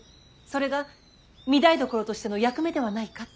それが御台所としての役目ではないかって。